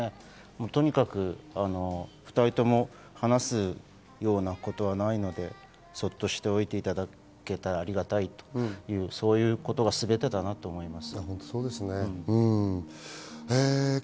とにかく２人とも話すようなことはないのでそっとしておいていただけたらありがたいと、そういう言葉がすべてだなと思います。